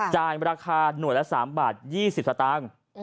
ราคาหน่วยละ๓บาท๒๐สตางค์